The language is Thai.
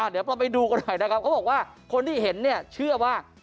เดี๋ยวเราไปดูกันหน่อยนะครับเขาบอกว่าคนที่เห็นเนี่ยเชื่อว่า